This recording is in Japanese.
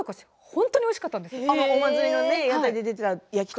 本当においしかったんです。